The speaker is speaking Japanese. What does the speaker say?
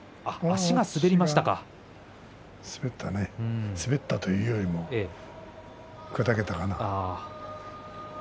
足が滑ったというよりも砕けたかな。